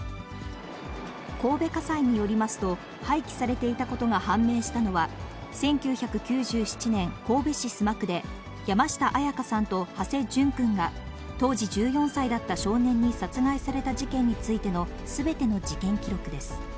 神戸家裁によりますと、廃棄されていたことが判明したのは、１９９７年、神戸市須磨区で、山下彩花さんと土師淳君が、当時１４歳だった少年に殺害された事件についてのすべての事件記録です。